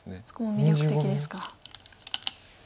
そこも魅力的ですか。